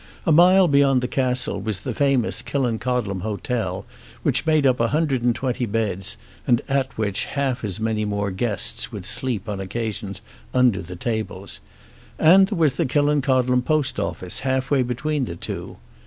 A mile beyond the Castle was the famous Killancodlem hotel which made up a hundred and twenty beds, and at which half as many more guests would sleep on occasions under the tables. And there was the Killancodlem post office halfway between the two.